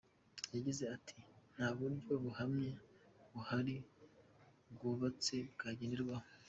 Yagize ati “Nta buryo buhamye buhari bwubatse bwagenderwaho.